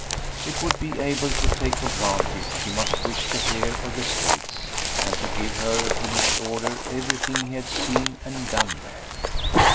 It would be to take for granted she must wish to hear of the States, and to give her in its order everything he had seen and done there.